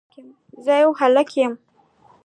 زه يو هلک يم